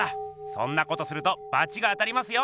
そんなことするとバチが当たりますよ。